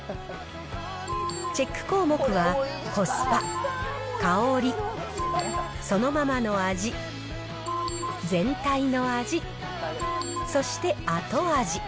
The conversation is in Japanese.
チェック項目はコスパ、香り、そのままの味、全体の味、そして後味。